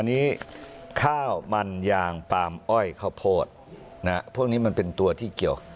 อันนี้ข้าวมันยางปาล์มอ้อยข้าวโพดนะฮะพวกนี้มันเป็นตัวที่เกี่ยว